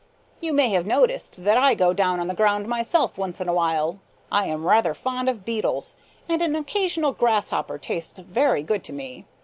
You may have noticed that I go down on the ground myself once in a while. I am rather fond of beetles, and an occasional grasshopper tastes very good to me.